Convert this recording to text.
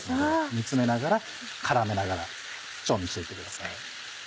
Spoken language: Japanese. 煮詰めながら絡めながら調理して行ってください。